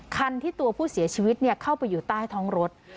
คันที่ตัวผู้เสียชีวิตเข้าไปอยู่ใต้ท้องรถ